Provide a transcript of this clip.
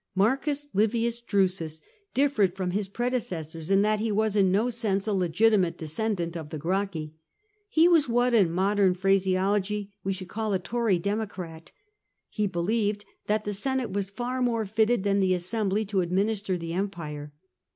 Marcus Livius Drusus differed from his predecessors^ in that he was in no sense a legitimate descendant of the Gracchi. He was what in modern phraseology w© should call a Tory Democrat.'' He believed that the Senate was far more fitted than the assembly to administer tbe empire.